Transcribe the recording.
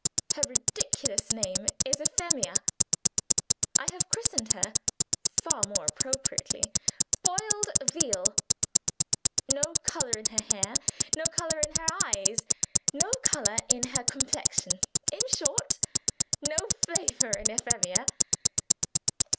Her ridiculous name is Euphemia. I have christened her (far more appropriately) Boiled Veal. No color in her hair, no color in her eyes, no color in her complexion. In short, no flavor in Euphemia.